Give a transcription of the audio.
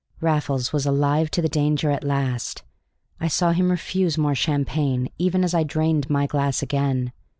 Raffles was alive to the danger at last. I saw him refuse more champagne, even as I drained my glass again.